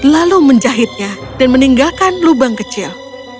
lalu menjahitnya dan meninggalkan lubang kecil